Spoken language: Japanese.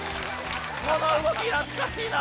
この動き懐かしいな